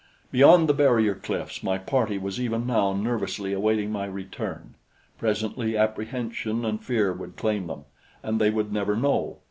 Beyond the barrier cliffs my party was even now nervously awaiting my return. Presently apprehension and fear would claim them and they would never know!